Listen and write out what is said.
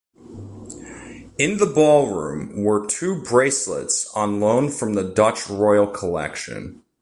In the ballroom were two bracelets on loan from the Dutch Royal collection.